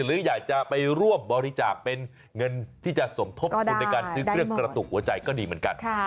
หรืออยากจะไปร่วมบริจาคเป็นเงินที่จะสมทบทุนในการซื้อเครื่องกระตุกหัวใจก็ดีเหมือนกัน